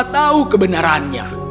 kau tidak boleh mencari kebenarannya